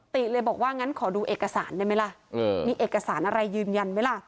ติเลยบอกว่างั้นขอดูเอกสารได้ไหมล่ะมีเอกสารอะไรยืนยันไหมล่ะ